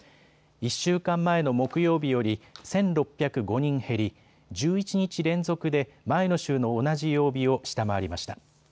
１週間前の木曜日より１６０５人減り１１日連続で前の週の同じ曜日を下回りました。